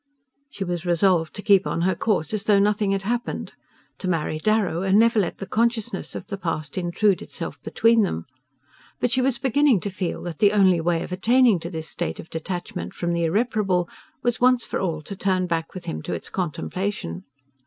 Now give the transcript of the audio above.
She was resolved to keep on her course as though nothing had happened: to marry Darrow and never let the consciousness of the past intrude itself between them; but she was beginning to feel that the only way of attaining to this state of detachment from the irreparable was once for all to turn back with him to its contemplation.